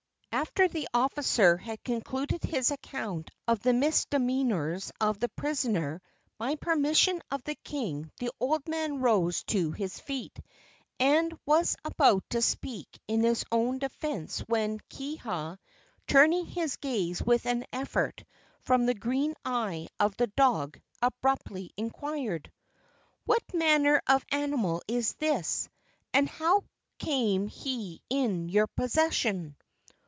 After the officer had concluded his account of the misdemeanors of the prisoner, by permission of the king the old man rose to his feet, and was about to speak in his own defence when Kiha, turning his gaze with an effort from the green eye of the dog, abruptly inquired: "What manner of animal is this, and how came he in your possession?"